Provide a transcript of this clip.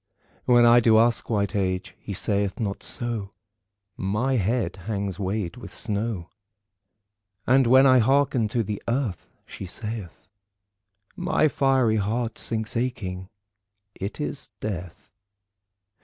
When I do ask white Age, he saith not so, "My head hangs weighed with snow." And when I hearken to the Earth she saith My fiery heart sinks aching. It is death.